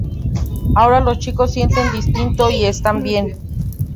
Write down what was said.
Ahora los chicos sienten distinto y está bien.